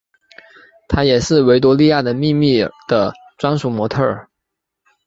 她也是维多利亚的秘密的专属模特儿。